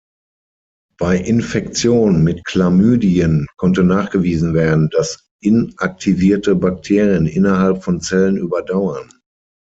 Bei Infektion mit Chlamydien konnte nachgewiesen werden, dass inaktivierte Bakterien innerhalb von Zellen überdauern.